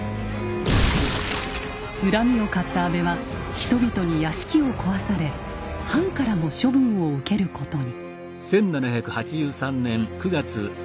恨みを買った安倍は人々に屋敷を壊され藩からも処分を受けることに。